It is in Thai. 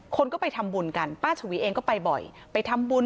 คนก็ไปทำบุญกันป้าชวีเองก็ไปบ่อยไปทำบุญ